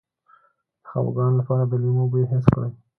د خپګان لپاره د لیمو بوی حس کړئ